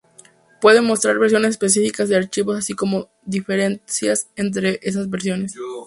Puede mostrar versiones específicas de archivos así como diferencias entre esas versiones.